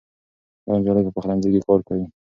دا نجلۍ په پخلنځي کې کار کوي.